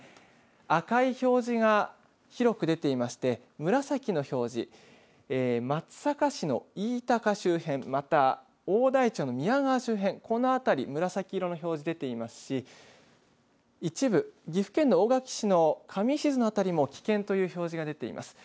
赤い表示が広く出ていまして紫の表示、松阪市の飯高周辺、また大台町の宮川周辺、この辺り紫色の表示、出ていますし一部、岐阜県の大垣市の上志津の辺りも危険という表示が出ています。